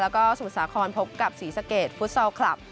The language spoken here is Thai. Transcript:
แล้วก็ศูนย์สาคมพบกับศรีสเกษฟุตเซาคลับ